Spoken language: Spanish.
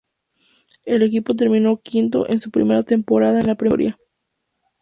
El equipo terminó quinto en su primera temporada en la i categoría.